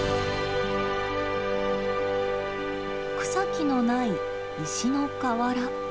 草木のない石の河原。